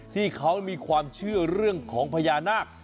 ที่เขามีความเชื่อเรื่องของพญานาค